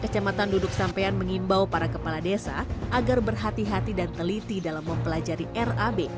kecamatan duduk sampean mengimbau para kepala desa agar berhati hati dan teliti dalam mempelajari rab